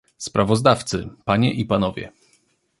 Sprawozdawcy, panie i panowie